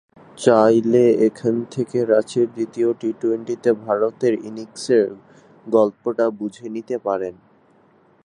চাইলে এখান থেকে রাঁচির দ্বিতীয় টি-টোয়েন্টিতে ভারতের ইনিংসের গল্পটা বুঝে নিতে পারেন।